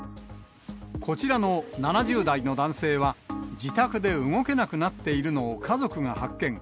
こちらの７０代の男性は、自宅で動けなくなっているのを家族が発見。